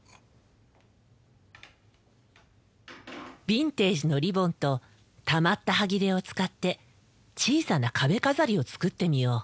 ビンテージのリボンとたまったはぎれを使って小さな壁飾りを作ってみよう。